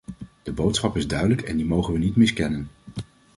De boodschap is duidelijk en die mogen we niet miskennen.